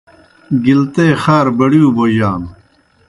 گِلتے خار بڑِیؤ بوجانوْ۔